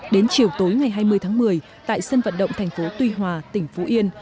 đến chiều tối ngày hai mươi tháng một mươi tại sân vận động thành phố tuy hòa tỉnh phú yên